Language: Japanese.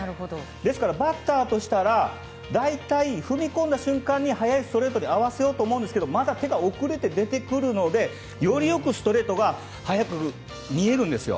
ですからバッターとしたら大体、踏み込んだ瞬間に速いストレートに合わせようと思うんですけどまだ手が遅れて出てくるのでよりストレートが速く見えるんですよ。